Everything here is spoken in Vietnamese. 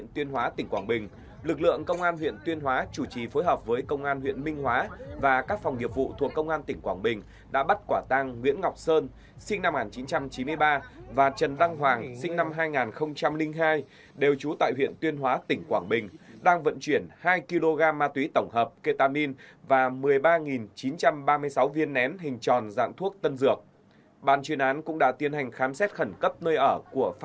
tuyên hóa huyện tuyên hóa tỉnh quảng bình sinh năm một nghìn chín trăm chín mươi hai trú tại xã sơn hóa huyện tuyên hóa tỉnh quảng bình xuyên biên giới và liên tịch